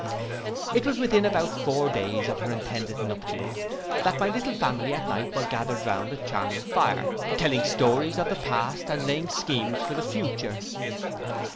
It was within about four days of her intended nuptials, that my little family at night were gathered round a charming fire, telling stories of the past, and laying schemes for the future.